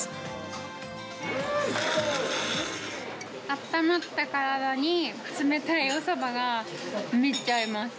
あったまった体に、冷たいおそばがめっちゃ合います。